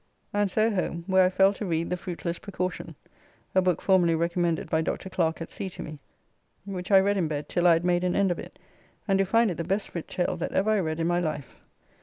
And so home, where I fell to read "The Fruitless Precaution" (a book formerly recommended by Dr. Clerke at sea to me), which I read in bed till I had made an end of it, and do find it the best writ tale that ever I read in my life.